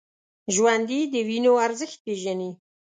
ژوندي د وینو ارزښت پېژني